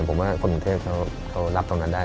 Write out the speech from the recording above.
ผมว่าคนกรุงเทพเขารับตรงนั้นได้